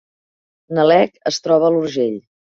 Nalec es troba a l’Urgell